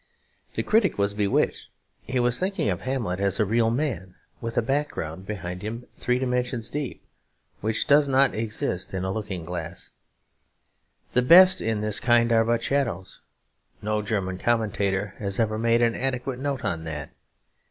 The critic was bewitched; he was thinking of Hamlet as a real man, with a background behind him three dimensions deep which does not exist in a looking glass. "The best in this kind are but shadows." No German commentator has ever made an adequate note on that.